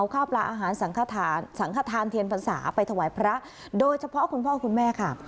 ข้าวปลาอาหารสังขทานเทียนพรรษาไปถวายพระโดยเฉพาะคุณพ่อคุณแม่ค่ะ